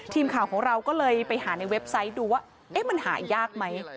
ทีมข่าวของเราก็เลยไปหาในเว็บไซต์ดูว่ามันหายากไหม